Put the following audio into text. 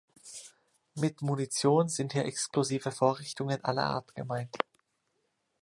Mit Munition sind hier explosive Vorrichtungen aller Art gemeint.